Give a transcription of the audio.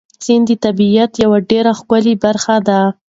سیند د طبیعت یوه ډېره ښکلې برخه ده.